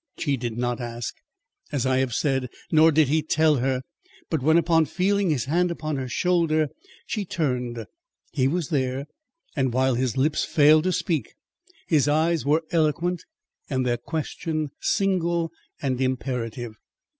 She did not ask, as I have said, nor did he tell her; but when upon feeling his hand upon her shoulder she turned, he was there; and while his lips failed to speak, his eyes were eloquent and their question single and imperative.